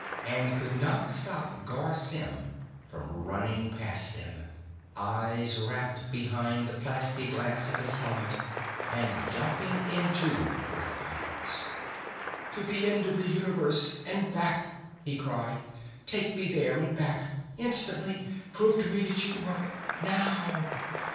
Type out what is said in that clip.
And could not stop Garr Symm from running past them, eyes rapt behind the plastiglass of his helmet, and jumping into the black box. "To the end of the universe and back!" he cried. "Take me there and back. Instantly. Prove to me that you work! Now...."